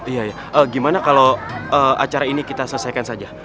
iya gimana kalau acara ini kita selesaikan saja